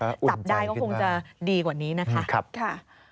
ถ้าจับได้ก็คงจะดีกว่านี้นะคะ